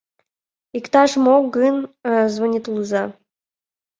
Иктаж-мо гын, звонитлыза.